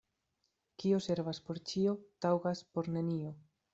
Kio servas por ĉio, taŭgas por nenio.